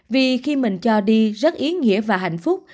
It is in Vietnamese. vì khi mình cho đi rất ý nghĩa và hạnh phúc